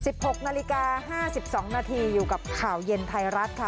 หกนาฬิกาห้าสิบสองนาทีอยู่กับข่าวเย็นไทยรัฐค่ะ